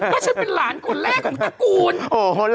ก็ฉันเป็นหลานคนแรกของตระกูล